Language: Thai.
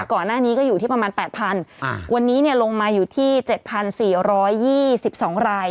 ก่อนหน้านี้ก็อยู่ที่ประมาณ๘๐๐วันนี้ลงมาอยู่ที่๗๔๒๒ราย